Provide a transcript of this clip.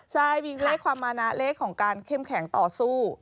ใช่มีเลขความมานะเลขของการเข้มแข็งต่อสู้